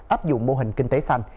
ấp dụng mô hình kinh tế xanh